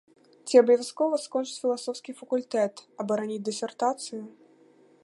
Ці абавязкова скончыць філасофскі факультэт, абараніць дысертацыю?